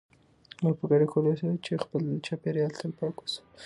موږ په ګډه کولای شو چې خپل چاپیریال تل پاک وساتو.